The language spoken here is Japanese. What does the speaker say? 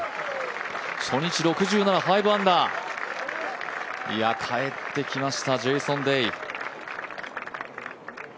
初日６７、５アンダー帰ってきました、ジェイソン・デイ。